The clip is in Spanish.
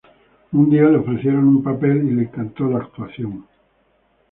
Un día le ofrecieron un papel y le encantó la actuación.